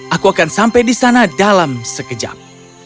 aku akan sampai di sana dalam sekejap